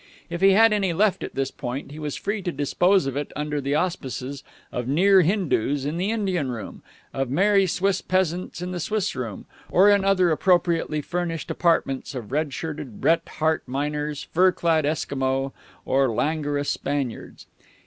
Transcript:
If he had any left at this point, he was free to dispose of it under the auspices of near Hindoos in the Indian room, of merry Swiss peasants in the Swiss room, or in other appropriately furnished apartments of red shirted, Bret Harte miners, fur clad Esquimaux, or languorous Spaniards.